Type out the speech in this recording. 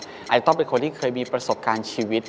ไอต้องเป็นคนที่เคยมีประสบการณ์ชีวิต